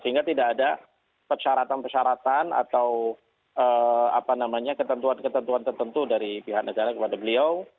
sehingga tidak ada persyaratan persyaratan atau ketentuan ketentuan tertentu dari pihak negara kepada beliau